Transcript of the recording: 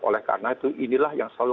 oleh karena itu inilah yang selalu